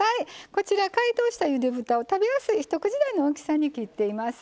こちら解凍したゆで豚を食べやすい一口大の大きさに切っています。